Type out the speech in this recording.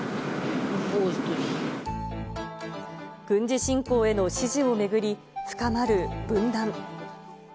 軍事侵攻への支持を巡り、深まる分断。